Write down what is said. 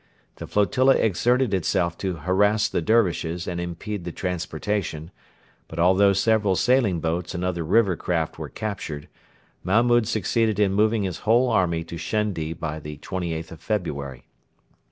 The flotilla exerted itself to harass the Dervishes and impede the transportation; but although several sailing boats and other river craft were captured, Mahmud succeeded in moving his whole army to Shendi by the 28th of February.